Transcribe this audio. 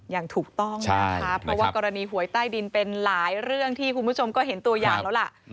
อย่างถูกต้องนะคะเพราะว่ากรณีหวยใต้ดินเป็นหลายเรื่องที่คุณผู้ชมก็เห็นตัวอย่างแล้วล่ะ